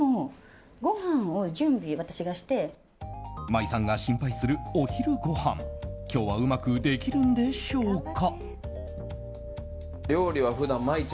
麻衣さんが心配するお昼ごはん今日はうまくできるんでしょうか。